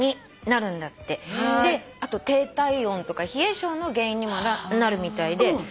あと低体温とか冷え性の原因にもなるみたいで。